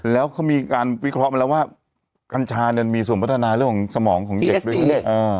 แล้วเขามีการวิเคราะห์มาแล้วว่ากัญชาเนี่ยมีส่วนพัฒนาเรื่องของสมองของเด็กด้วย